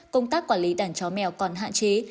công tác quản lý đàn chó mèo còn hạn chế